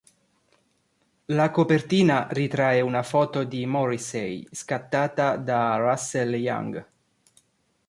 La copertina ritrae una foto di Morrissey, scattata da Russell Young.